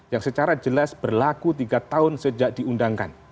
yang secara jelas berlaku tiga tahun sejak diundangkan